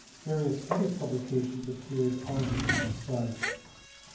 Various other publications appeared, all on the same side.